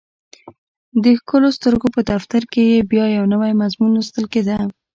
د ښکلو سترګو په دفتر کې یې بیا یو نوی مضمون لوستل کېده